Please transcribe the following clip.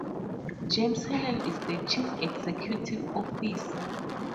James Allen is the chief executive officer.